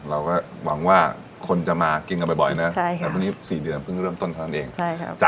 แล้วหวังว่าคนจะมาแบบนี้กีลมาบ่อยนะ